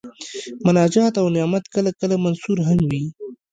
مناجات او نعت کله کله منثور هم وي.